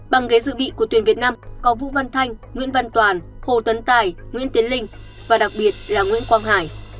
bằng ghế dự bị của tuyển việt nam có vũ văn thanh nguyễn văn toàn hồ tấn tài nguyễn tiến linh và đặc biệt là nguyễn quang hải